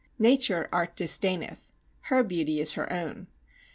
Nature Art disdaineth; her beauty is her own.